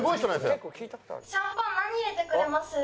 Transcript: シャンパン何入れてくれます？